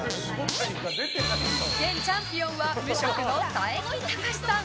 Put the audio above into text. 現チャンピオンは無職の佐伯タカシさん。